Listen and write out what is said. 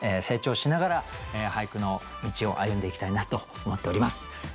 成長しながら俳句の道を歩んでいきたいなと思っております。